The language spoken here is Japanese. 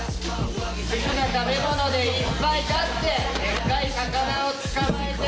好きな食べ物でいっぱいだって。